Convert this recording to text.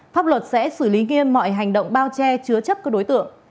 pháp luật sẽ xử lý nghiêm mọi hành động bao che chứa chấp các đối tượng